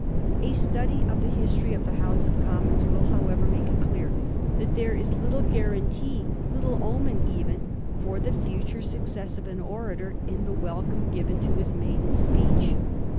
A study of the history of the House of Commons will, however, make it clear, that there is little guarantee, little omen even, for the future success of a speaker in the welcome given to his maiden speech.